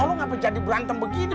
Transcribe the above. lo kenapa jadi berantem begini